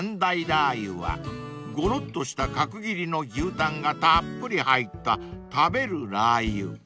［ごろっとした角切りの牛タンがたっぷり入った食べるラー油］